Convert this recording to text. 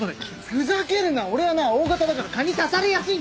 ふざけるな俺はなＯ型だから蚊に刺されやすいんだよ。